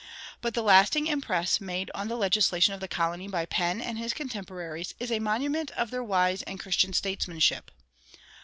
But the lasting impress made on the legislation of the colony by Penn and his contemporaries is a monument of their wise and Christian statesmanship.